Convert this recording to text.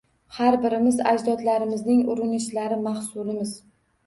Har birimiz ajdodlarimizning urinishlari mahsulimiz